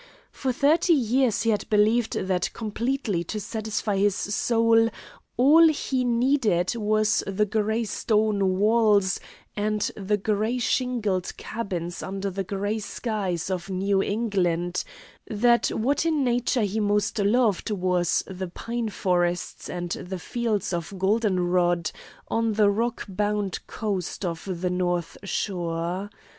For thirty years he had believed that completely to satisfy his soul all he needed was the gray stone walls and the gray shingled cabins under the gray skies of New England, that what in nature he most loved was the pine forests and the fields of goldenrod on the rock bound coast of the North Shore.